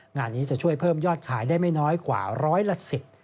งานนี้จะช่วยเพิ่มยอดขายได้ไม่น้อยกว่าร้อยละ๑๐